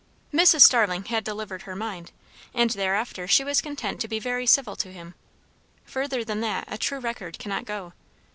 Mrs. Starling had delivered her mind, and thereafter she was content to be very civil to him. Further than that a true record cannot go.